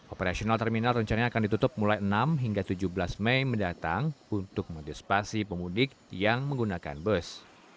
operasional terminal rencana akan ditutup mulai enam hingga tujuh belas mei mendatang untuk mengantisipasi pemudik yang menggunakan bus